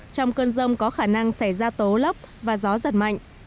trong cơn rông có khả năng xảy ra tố lốc và gió giật mạnh